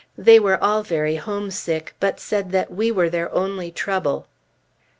They were all very homesick, but said that we were their only trouble.